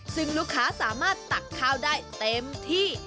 ซึ่งลูกค้าสามารถตักข้าวได้เต็มที่